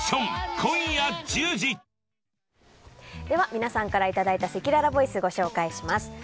皆さんからいただいたせきららボイスご紹介します。